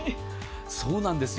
そうなんですよ。